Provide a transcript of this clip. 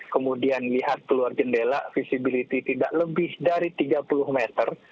kemudian lihat keluar jendela visibility tidak lebih dari tiga puluh meter